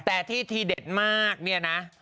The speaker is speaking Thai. แต่ที่ทีเด็ดมากเนี่ยนะ